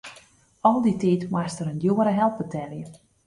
Al dy tiid moast er in djoere help betelje.